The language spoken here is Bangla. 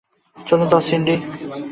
চলে যাও, সিন্ডি!